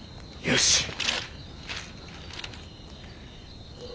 よし。